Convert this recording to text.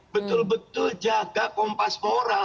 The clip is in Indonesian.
betul betul jaga kompas moral